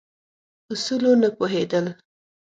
اصولو نه پوهېدل.